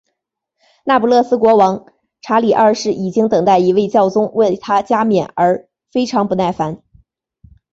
那不勒斯国王查理二世已经等待一位教宗为他加冕而非常不耐烦。